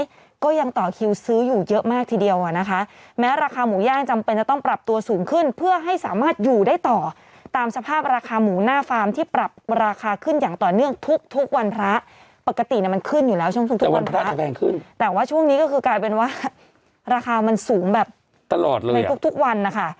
ไม่ใช่แกเป็นพระธาตุแกเตะปากพิษีได้แล้วก็บอก